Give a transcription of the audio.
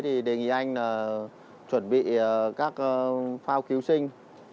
thì đề nghị anh chuẩn bị các phao cứu sinh